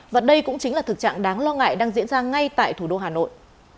và đây cũng chính là thực trạng đáng lo ngại đang diễn ra ngay tại thủ đô hà nội